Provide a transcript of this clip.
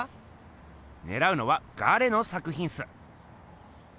ねらうのは「ガレ」の作ひんっす。